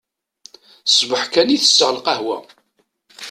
Ṣbeḥ kan i tesseɣ lqahwa.